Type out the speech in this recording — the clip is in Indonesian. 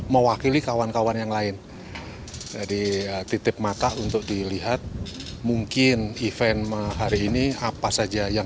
mewakili kawan kawan yang lain jadi titip mata untuk dilihat mungkin event hari ini apa saja yang